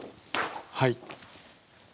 はい。